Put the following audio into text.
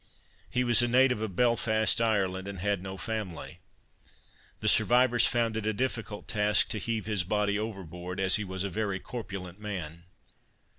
He was a native of Belfast, Ireland, and had no family. The survivors found it a difficult task to heave his body overboard, as he was a very corpulent man.